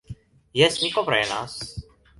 Jes, ni komprenas.